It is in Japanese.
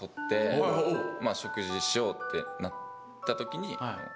まあ食事しようってなった時に。